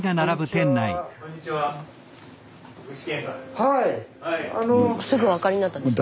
スタジオすぐお分かりになったんですね。